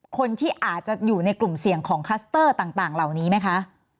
คนที่อาจจะอยู่ในกลุ่มเสี่ยงของคลัสเตอร์ต่างเหล่านี้ไหมคะ